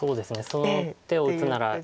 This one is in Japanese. その手を打つなら。